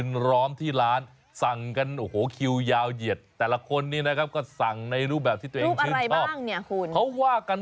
เด็กมาลุมล้อมกันใหญ่เลยเฮ้ยจะไปไหนไปไหนกัน